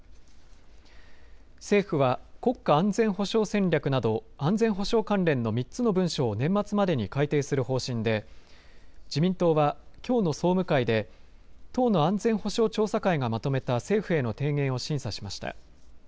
政府は国家安全保障戦略など安全保障関連の３つの文書を年末までに改定する方針で自民党はきょうの総務会で党の安全保障調査会がまとめた政府への提言を審査しました。